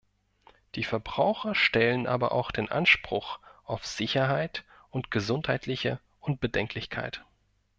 Die Verbraucher stellen aber auch den Anspruch auf Sicherheit und gesundheitliche Unbedenklichkeit.